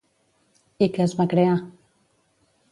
I què es va crear?